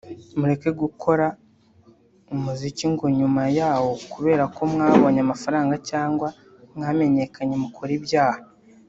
mureke gukora umuziki ngo nyuma yawo kubera ko mwabonye amafaranga cyangwa mwamenyekanye mukore ibyaha